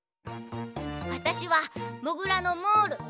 わたしはモグラのモール。